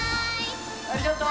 ありがとう！